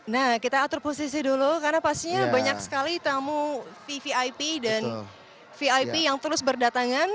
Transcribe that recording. nah kita atur posisi dulu karena pastinya banyak sekali tamu vvip dan vip yang terus berdatangan